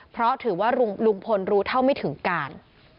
เพราะถือว่าลุงพลรู้เท่าไม่ถึงการ